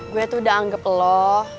gue tuh udah anggap lo